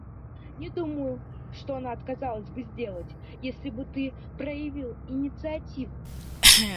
Не думаю, что она отказалась бы сделать, если бы ты проявил инициативу.